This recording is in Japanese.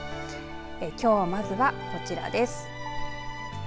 きょう、まずはこちらです。